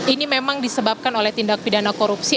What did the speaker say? ini memang disebabkan oleh tindak pidana korupsi